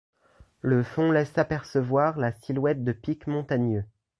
Le fond laisse apercevoir la silhouette de pics montagneux.